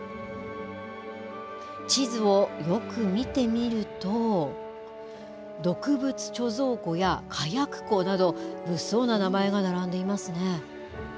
地図をよく見てみると、毒物貯蔵庫や火薬庫など、物騒な名前が並んでいますね。